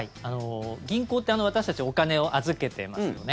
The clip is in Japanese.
銀行って私たち、お金を預けてますよね。